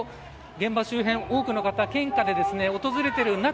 現場周辺は多くの方が献花で訪れている中